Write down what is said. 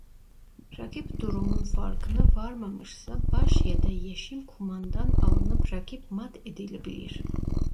Rakip durumun farkına varmamışsa baş ya da yeşim kumandan alınıp rakip mat edilebilir.